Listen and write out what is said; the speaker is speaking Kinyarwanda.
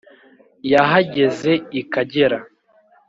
Yahageze i Kagera